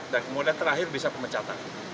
dan kemudian terakhir bisa pemecatan